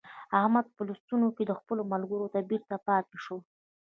احمد په لوستونو کې له خپلو ملګرو بېرته پاته شو.